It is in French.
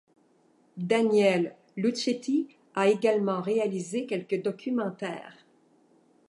Daniele Luchetti a également réalisé quelques documentaires.